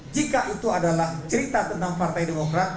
jika itu adalah cerita tentang partai demokrat